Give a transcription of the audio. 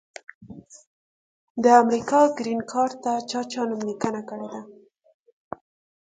د امریکا ګرین کارټ ته چا چا نوملیکنه کړي ده؟